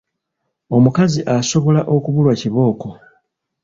Omukazi asobola okubulwa kibooko.